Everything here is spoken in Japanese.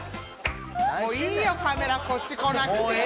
もういいよカメラこっち来なくて。